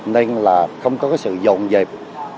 nên là không có sự dọn dẹp